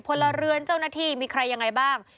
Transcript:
พลเรือนเจ้าหน้าที่มีใครยังไงบ้าง